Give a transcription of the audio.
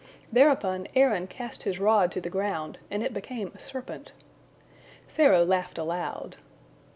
Thereupon Aaron cast his rod to the ground, and it became a serpent. Pharaoh laughed aloud.